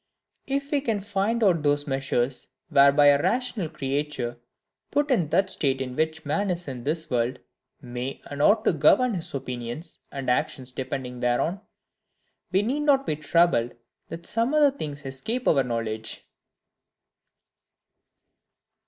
If we can find out those measures, whereby a rational creature, put in that state in which man is in this world, may and ought to govern his opinions, and actions depending thereon, we need not to be troubled that some other things escape our knowledge.